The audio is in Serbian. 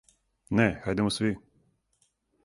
Не, хајдемо сви!